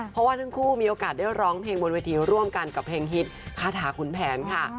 เพราะว่าทั้งคู่มีโอกาสได้ร้องเพลงบนเวทีร่วมกันกับเพลงฮิตคาถาขุนแผนค่ะ